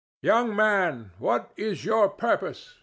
"Young man, what is your purpose?"